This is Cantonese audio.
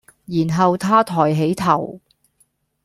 然後他抬起頭，